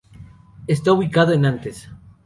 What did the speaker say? Está ubicado en Nantes.